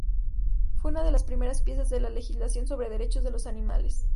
Fue una de las primeras piezas de la legislación sobre derechos de los animales.